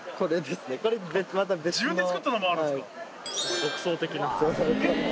・独創的な・